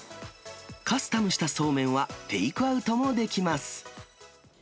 カスタムしたそうめんは、テイクアウトもできます。